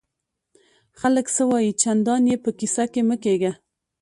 خلک څه وایي؟ چندان ئې په کیسه کي مه کېږه!